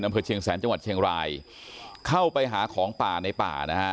อำเภอเชียงแสนจังหวัดเชียงรายเข้าไปหาของป่าในป่านะฮะ